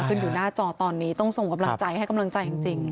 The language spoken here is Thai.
ขึ้นอยู่หน้าจอตอนนี้ต้องส่งกำลังใจให้กำลังใจจริง